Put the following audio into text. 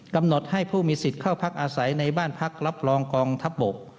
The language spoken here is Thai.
กำหนดให้ผู้มีสิทธิ์เข้าพักอาศัยในบ้านพักรับรองกองทัพบก